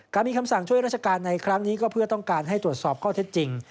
มีคำสั่งช่วยราชการในครั้งนี้ก็เพื่อต้องการให้ตรวจสอบข้อเท็จจริง